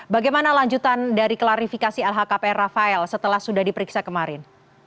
bagaimana lanjutan dari klarifikasi lhkpn rafael setelah sudah diperiksa kemarin